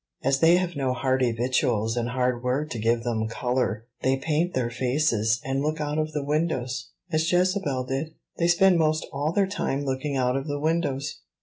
As they have no hearty victuals and hard work to give them color, they paint their faces, and look out of the windows, as Jezebel did: they spend most all their time looking out of the windows."